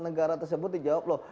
negara tersebut dijawab loh